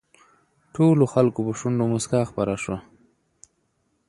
ټولو خلکو په شونډو کې مسکا خپره شوه.